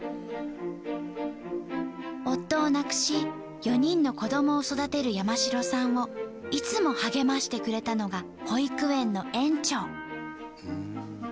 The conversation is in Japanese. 夫を亡くし４人の子どもを育てる山城さんをいつも励ましてくれたのが保育園の園長。